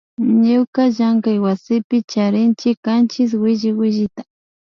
Ñuka llankaywasipi charinchi kanchis williwillita